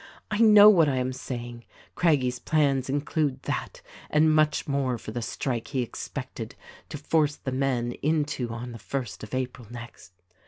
I know what I am saying; Craggie's plans include that and much more for the strike he expected to force the men into on the first of April next.